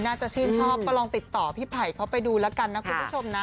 น่าจะชื่นชอบก็ลองติดต่อพี่ไผ่เขาไปดูแล้วกันนะคุณผู้ชมนะ